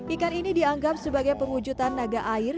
ikan ini dianggap sebagai pengwujudan naga air